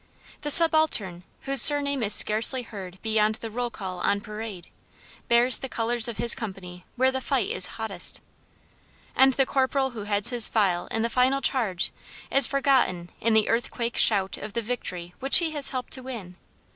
The subaltern whose surname is scarcely heard beyond the roll call on parade, bears the colors of his company where the fight is hottest. And the corporal who heads his file in the final charge, is forgotten in the "earthquake shout" of the victory which he has helped to win.